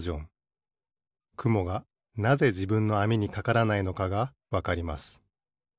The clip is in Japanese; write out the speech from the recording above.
くもがなぜじぶんのあみにかからないのかがわかります。